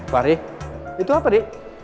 fahri itu apa dik